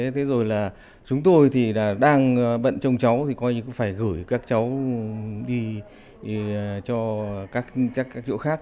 thế rồi là chúng tôi thì đang bận trông cháu thì coi như cũng phải gửi các cháu đi cho các chỗ khác